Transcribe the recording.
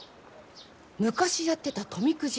昔やってた富くじ